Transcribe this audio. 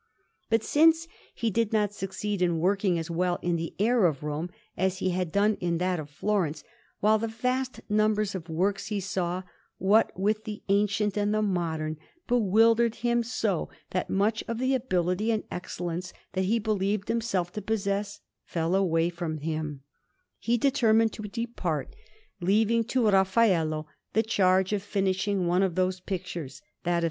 But since he did not succeed in working as well in the air of Rome as he had done in that of Florence, while the vast number of works that he saw, what with the ancient and the modern, bewildered him so that much of the ability and excellence that he believed himself to possess, fell away from him, he determined to depart, leaving to Raffaello the charge of finishing one of those pictures, that of S.